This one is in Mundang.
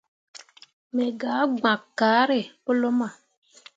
Me gah gbakke kaare pu luma.